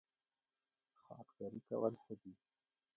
خاکساري کول ښه دي